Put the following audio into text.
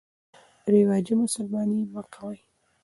رواجي مسلماني مه کوئ.